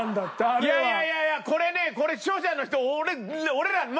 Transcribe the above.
いやいやいやいやこれねこれ視聴者の人。